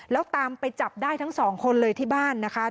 แล้วตามไปจับได้ทั้งสองคนเลยที่บ้านนะคะ